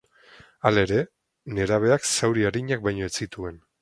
Halere, nerabeak zauri arinak baino ez zituen.